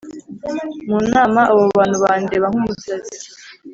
mu nama abo bantu bandeba nk’umusazi,